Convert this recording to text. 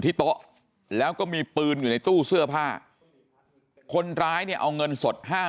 โต๊ะแล้วก็มีปืนอยู่ในตู้เสื้อผ้าคนร้ายเนี่ยเอาเงินสด๕๐๐